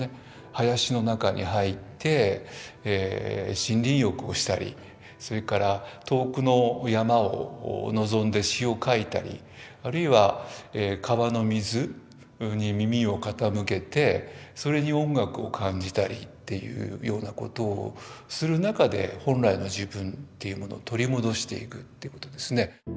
林の中に入って森林浴をしたりそれから遠くの山を望んで詩を書いたりあるいは川の水に耳を傾けてそれに音楽を感じたりというようなことをする中で本来の自分というものを取り戻していくということですね。